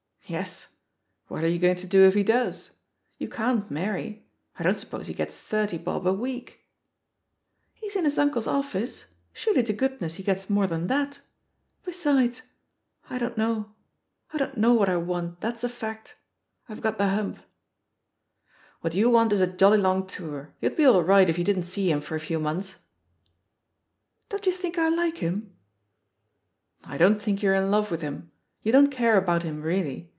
"Yes. What are you going to do if he does? You can't marry — I don't suppose he gets thirty bob a week." "He's in his uncle's oflSce; surely to goodness he gets more than that? Besides ... I don't know. I don't know what I want, that's a fact. I've got the hump.^ 99 THE POSITION OF PEGGY HARPER 81 *^WJiat you want is a jolly long tour; you'd be all right if you didn't see him for a few months/' •Don't you think I like him?'* I don't think you're in love with him; you don't care about him really.